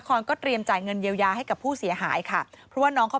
โปรดติดตามต่างกรรมโปรดติดตามต่างกรรม